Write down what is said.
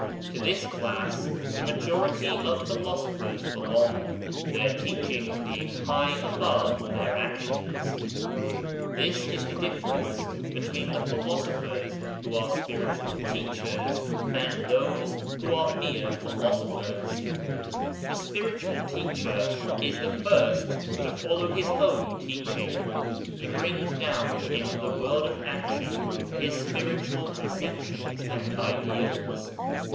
To this class the majority of Philosophers belong, their teachings being high above their actions. This is the difference between Philosophers who are spiritual teachers, and those who are mere Philosophers : the Spiritual Teacher is the first to follow his own teaching ; he brings down into the world of action his spiritual conceptions and ideals.